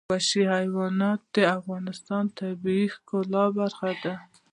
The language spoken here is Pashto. وحشي حیوانات د افغانستان د طبیعت د ښکلا برخه ده.